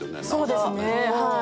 そうですねはい。